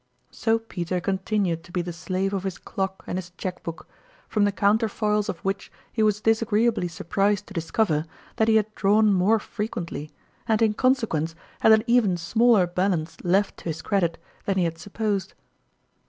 So Peter continued to be the slave of his clock and his cheque book, from the counter foils of which he was disagreeably surprised to discover that he had drawn more frequently, and in consequence had an even smaller balance left to his credit than he had supposed.